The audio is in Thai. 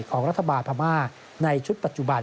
ของรัฐบาลพม่าในชุดปัจจุบัน